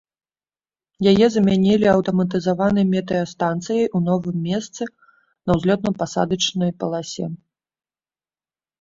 Яе замянілі аўтаматызаванай метэастанцыяй у новым месцы на ўзлётна-пасадачнай паласе.